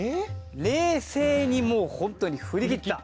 「冷静」にもうホントに振り切った。